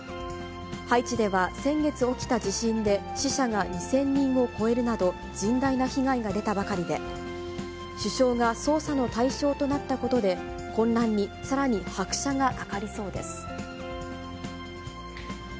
ハイチでは、先月起きた地震で、死者が２０００人を超えるなど、甚大な被害が出たばかりで、首相が捜査の対象となったことで、混乱にさらに拍車がかかりそうです。